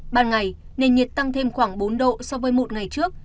ban ngày nền nhiệt tăng thêm khoảng bốn độ so với một ngày trước